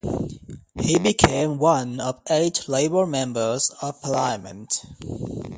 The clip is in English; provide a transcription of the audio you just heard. He became one of eight Labour Members of Parliament.